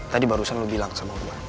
tadi barusan lu bilang sama umat